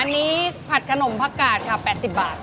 อันนี้ผัดขนมผักกาดค่ะ๘๐บาท